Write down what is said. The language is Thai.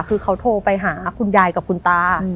คือเขาโทรไปหาคุณยายกับคุณตา